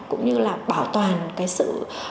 cũng như là bảo toàn cái sự